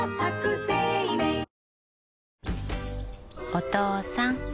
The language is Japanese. お父さん。